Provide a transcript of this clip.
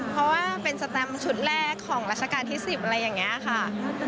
เพราะว่าเป็นสแตมชุดแรกของรัชกาลที่๑๐อะไรอย่างนี้ค่ะ